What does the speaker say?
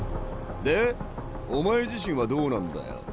でお前自身はどうなんだよ？